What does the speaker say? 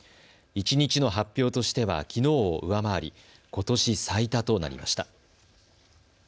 一日の発表としてはきのうを上回りことし最多となりました。